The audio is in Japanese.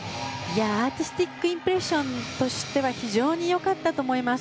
アーティスティックインプレッションとしては非常に良かったと思います。